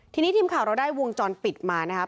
ทีนี้ทีมข่าวเราได้วงจรปิดมานะครับ